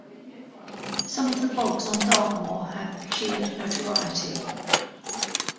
Some of the bogs on Dartmoor have achieved notoriety.